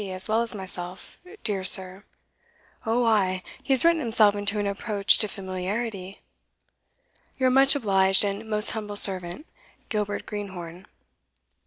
as well as myself, Dear Sir [O ay, he has written himself into an approach to familiarity], your much obliged and most humble servant, "Gilbert Greenhorn."